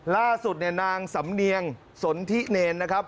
ล่าสุดเนี่ยนางสำเนียงสนทิเนรนะครับ